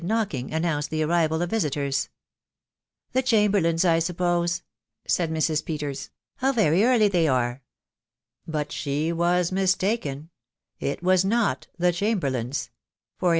knocking announced the arrival of visiter*. 11 4 488 THE WIDOW BARNABY " The Chamberlains, I suppose," said Mrs. Petets. How very early they are!" But she was mistaken, it was not the Chamberlains ; for a